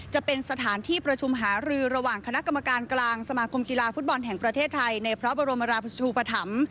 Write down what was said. จะเป็นสถานที่ประชุมหารือระหว่างคณะกรรมการกลางสมาคมกีฬาฟุตบอลแห่งประเทศไทยในพระบรมราชทูปธรรม